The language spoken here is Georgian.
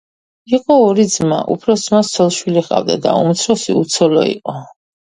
იყო ორი ძმა. უფროს ძმას ცოლ-შვილი ჰყავდა და უმცროსი უცოლო იყო.